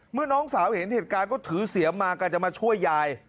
น้องสาวเห็นเหตุการณ์ก็ถือเสียมมากะจะมาช่วยยาย